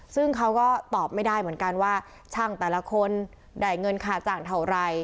ซึ่งเขาก็ตอบไม่ได้เหมือนกันว่าช่างแต่ละคนได้เงินค่าจ้างเท่าไร